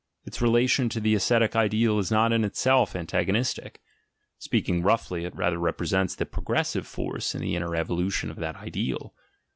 Its relation to the ascetic ideal is not in itself antagonistic: • iking roughly, it rather represents the progressive force in the inner evolution of that ideal.